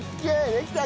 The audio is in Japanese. できた！